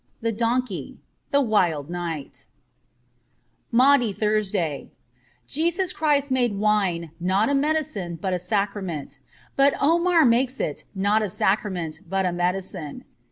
' The Donkey '(' 7he Wild Knight ') 412 MAUNDAY THURSDAY JESUS Christ made v/ine, not a medicine, but a sacrament. But Omar makes it, not a sacrament, but a medicine.